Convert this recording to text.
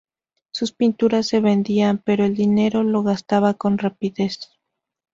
Sus pinturas se vendían, pero el dinero lo gastaba con rapidez.